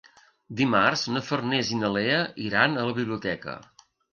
Dimarts na Farners i na Lea iran a la biblioteca.